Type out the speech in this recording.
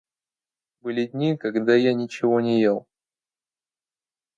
Были дни, когда я ничего не ел.